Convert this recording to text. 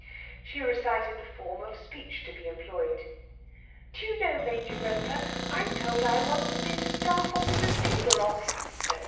She recited the form of speech to be employed. "Do you know, Major Roper, I'm told I once bit a staff officer's finger off," etc.